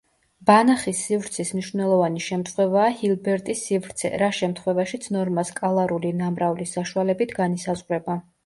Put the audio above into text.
ბანახის სივრცის მნიშვნელოვანი შემთხვევაა ჰილბერტის სივრცე, რა შემთხვევაშიც ნორმა სკალარული ნამრავლის საშუალებით განისაზღვრება.